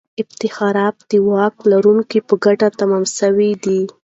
افتخارات د واک لرونکو په ګټه تمام سوي دي.